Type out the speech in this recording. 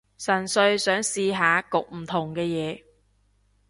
純粹想試下焗唔同嘅嘢